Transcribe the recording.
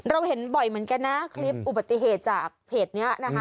เราเห็นบ่อยเหมือนกันนะคลิปอุบัติเหตุจากเพจนี้นะคะ